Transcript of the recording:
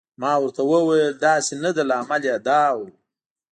ما ورته وویل: داسې نه ده، لامل یې دا و.